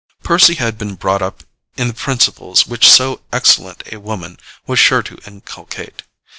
Percy had been brought up in the principles which so excellent a woman was sure to inculcate.